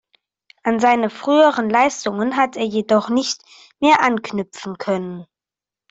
An seine früheren Leistungen hat er jedoch nicht mehr anknüpfen können.